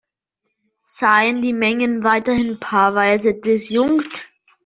Seien die Mengen weiterhin paarweise disjunkt.